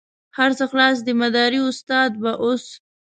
هر څه خلاص دي مداري استاد به اوس.